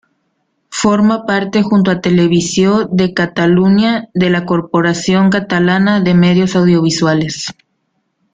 Forma parte junto a Televisió de Catalunya, de la Corporación Catalana de Medios Audiovisuales.